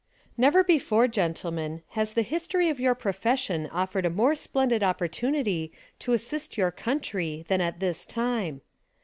Never before, gentlemen, has the history of your profession offered a more splendid opportunity to assist your country than at this time.